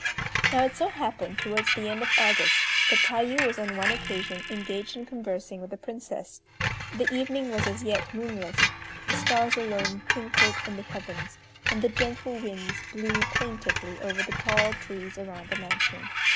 Now it so happened towards the end of August that Tayû was on one occasion engaged in conversing with the Princess. The evening was as yet moonless, the stars alone twinkled in the heavens, and the gentle winds blew plaintively over the tall trees around the mansion.